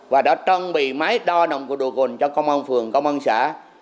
và đã trang bị máy đo nồng độ cồn cho công an phường công an xã